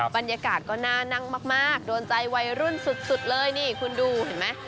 บรรยากาศก็น่านั่งมากโดนใจวัยรุ่นสุดเลยนี่คุณดูเห็นไหม